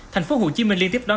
thành phố hồ chí minh liên tiếp đón